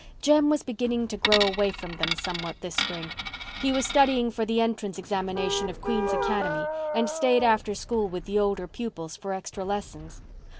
Jem was beginning to grow away from them somewhat this spring. He was studying for the entrance examination of Queen's Academy and stayed after school with the older pupils for extra lessons.